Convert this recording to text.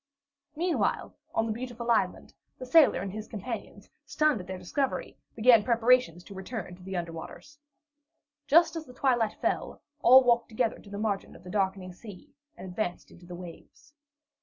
Meanwhile, on the beautiful island, the sailor and his companions, stunned at their discovery, began preparations to return to the under waters. Just as the twilight fell, all walked together to the margin of the darkening sea, and advanced into the waves.